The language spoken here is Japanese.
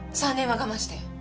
３年は我慢して。